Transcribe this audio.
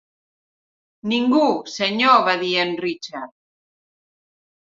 "Ningú, senyor", va dir en Richard.